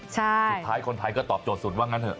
สุดท้ายคนไทยก็ตอบโจทย์สุดว่างั้นเถ